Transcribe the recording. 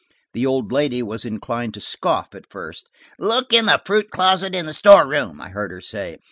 The old lady was inclined to scoff at first. "Look in the fruit closet in the store room," I heard her say.